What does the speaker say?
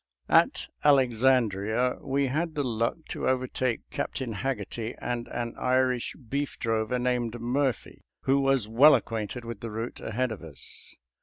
»•• At Alexandria we had the luck to overtake Captain Haggerty and an Irish beef drover named Murphy, who was well acquainted with the route ahead of us.